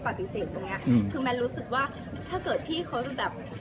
แม้ตไม่ได้ปฏิเสธตรงเนี้ยคือแม้ตรู้สึกว่าถ้าเกิดพี่เขาจะแบบ